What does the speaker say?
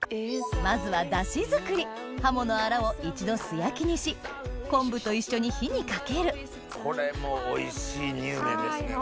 まずは出汁作りハモのアラを一度素焼きにし昆布と一緒に火にかけるこれもおいしいにゅうめんですね。